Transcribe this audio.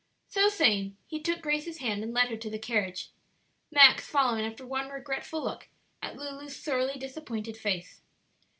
So saying he took Grace's hand and led her to the carriage, Max following after one regretful look at Lulu's sorely disappointed face.